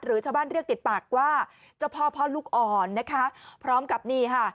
ชาวบ้านเรียกติดปากว่าเจ้าพ่อพ่อลูกอ่อนนะคะพร้อมกับนี่ค่ะ